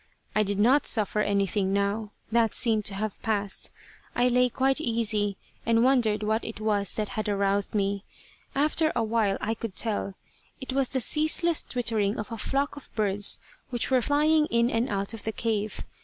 I did not suffer anything now. That seemed to have passed. I lay quite easy, and wondered what it was that had aroused me. After a while I could tell. It was the ceaseless twittering of a flock of birds which were flying in and out of the cave.